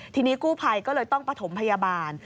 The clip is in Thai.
ทีนี้กู้ภัยก็เลยต้องประถมพยาบาล